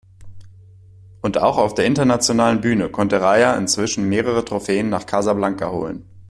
Und auch auf der internationalen Bühne konnte Raja inzwischen mehrere Trophäen nach Casablanca holen.